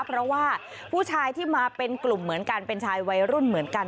เพราะว่าผู้ชายที่มาเป็นกลุ่มเหมือนกันเป็นชายวัยรุ่นเหมือนกัน